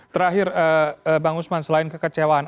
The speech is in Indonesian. terakhir bang usman selain kekecewaan